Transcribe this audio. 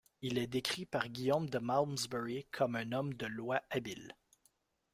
Il est décrit par Guillaume de Malmesbury comme un homme de loi habile.